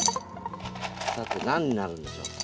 さて何になるんでしょうか？